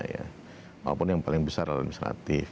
walaupun yang paling besar administratif